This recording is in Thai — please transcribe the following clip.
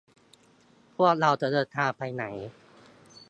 พวกเราจะเดินทางไปไหน